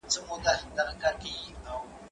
ته ولي پاکوالی کوې،